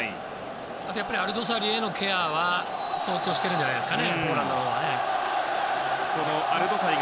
あとはアルドサリへのケアは相当してるんじゃないですかね。